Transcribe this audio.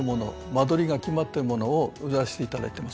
間取りが決まってるものを売らせていただいてます。